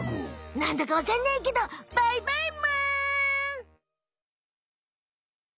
なんだかわかんないけどバイバイむ！